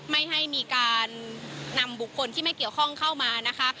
ไม่ให้มีการนำบุคคลที่ไม่เกี่ยวข้องเข้ามานะคะ